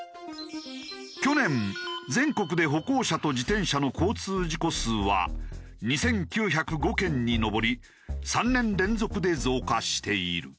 去年全国で歩行者と自転車の交通事故数は２９０５件に上り３年連続で増加している。